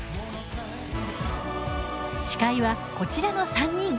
司会は、こちらの３人。